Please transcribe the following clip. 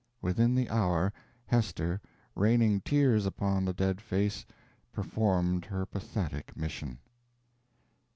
Within the hour, Hester, raining tears upon the dead face, performed her pathetic mission.